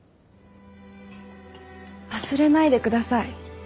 忘れないでください